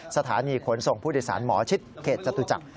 สถานีขนส่งผู้โดยสารหมอชิดเขตจตุจักร